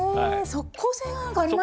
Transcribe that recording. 即効性ありますね。